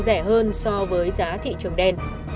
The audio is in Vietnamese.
rẻ hơn so với giá thị trường đen